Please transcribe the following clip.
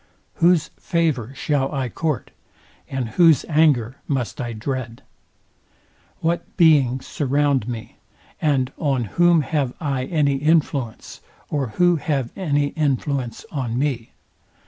Whose favour shall I court, and whose anger must I dread? What beings surround me? and on whom have, I any influence, or who have any influence on me?